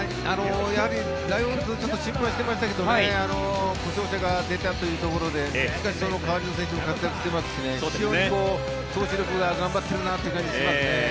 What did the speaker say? ライオンズちょっと心配してましたけどね故障者が出たというところでしかし、その代わりの選手も活躍していますし投手が頑張っている感じがしますね。